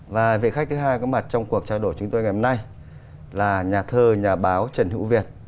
và vị khách thứ hai có mặt trong cuộc trao đổi chúng tôi ngày hôm nay là nhà thơ nhà báo trần hữu việt